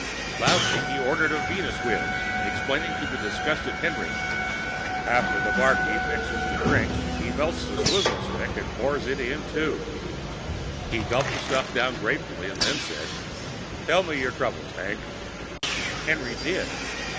Loudly he ordered a Venuswiz, explaining to a disgusted Henry, "After the barkeep mixes the drink he melts the swizzle stick and pours that in, too." He gulped the stuff down gratefully, then said, "Tell me your troubles, Hank." Henry did.